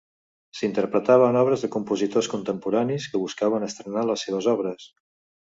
S'interpretaven obres de compositors contemporanis que buscaven estrenar les seves obres.